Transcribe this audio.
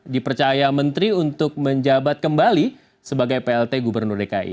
dipercaya menteri untuk menjabat kembali sebagai plt gubernur dki